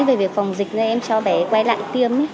về việc phòng dịch cho bé em quay lại tiêm